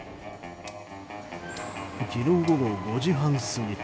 昨日午後５時半過ぎ。